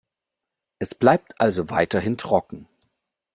Es bleibt also weiterhin trocken.